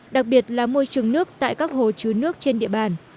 đặc biệt là môi trường nước tại các hồ chứa nước trên địa bàn